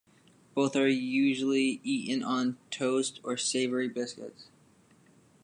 Both are also usually eaten on toast or savoury biscuits.